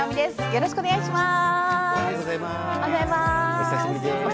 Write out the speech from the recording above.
よろしくお願いします。